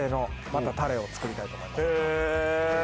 またタレを作りたいと思います。